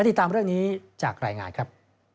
ติดตามเรื่องนี้จากรายงานครับ